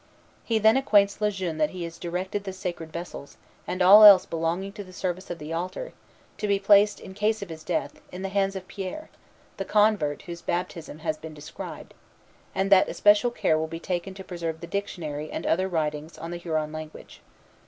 He then acquaints Le Jeune that he has directed the sacred vessels, and all else belonging to the service of the altar, to be placed, in case of his death, in the hands of Pierre, the convert whose baptism has been described, and that especial care will be taken to preserve the dictionary and other writings on the Huron language.